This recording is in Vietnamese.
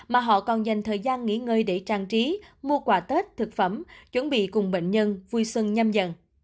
mà họ còn dành thời gian nghỉ ngơi để trang trí mua quà tết thực phẩm chuẩn bị cùng bệnh nhân vui xuân nhâm dần